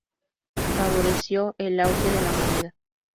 Favoreció el auge de la moneda.